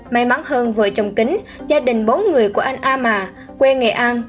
may mắn hơn vợ chồng kính gia đình bốn người của anh a mà quê nghệ an